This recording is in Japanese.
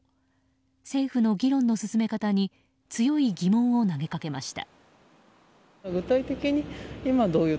政府の議論の進め方に強い疑問を投げかけました。